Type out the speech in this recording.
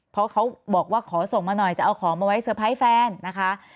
เพราะเขาบอกว่าขอส่งมาหน่อยจะเอาของมาไว้เตอร์ไพรส์แฟนนะคะ